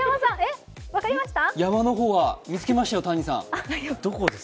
山の方は見つけましたよ、谷さん。